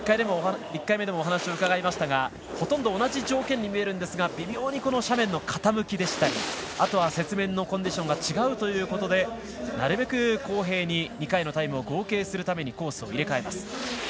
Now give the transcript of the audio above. １回目でもお話を伺いましたがほとんど同じ条件に見えますが微妙に斜面の傾きでしたりあとは雪面のコンディションが違うということでなるべく公平に２回のタイムを合計するためにコースを入れ替えます。